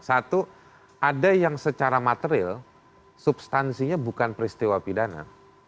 satu ada yang secara material substansinya bukan peristiwa pidana